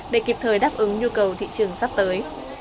để kịp thời đáp ứng nhu cầu thị trường sắp tới